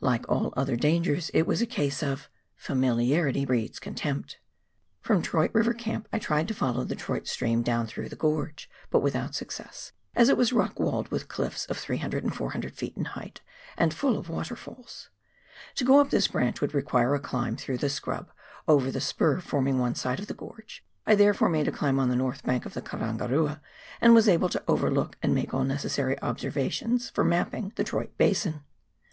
Like all other dangers, it was a case of " familiarity breeds contempt." From Troyte Eiver Camp I tried to follow the Troyte stream 208 PIONEER WORK IN THE ALPS OF NEW ZEALAND. throuffli the fforgre, but without success, as it was rock walled with cliffs of 300 and 400 ft. in height, and full of waterfalls. To go up this branch would require a climb through the scrub over the spur forming one side of the gorge, I therefore made a climb on the north bank of the Karangarua and was able to overlook, and make all necessary observations for mapping, the Troyte basin.